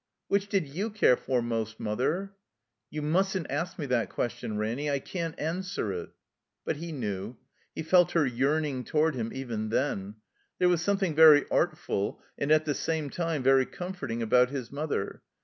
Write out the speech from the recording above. "Which did you care for most, Mother?" "You mustn't ask me that question, Ranny. I can't answer it." But he knew^ He felt her jreaming toward him X83 THE COMBINED MAZE even then. There was something very artful, and at the same time very comforting, about his mother.